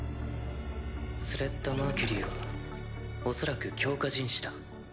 スレッタ・マーキュリーはおそらく強化人士だ。